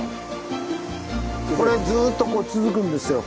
これずっとこう続くんですよ。